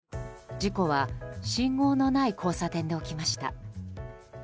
事故は信号のない交差点で起きました。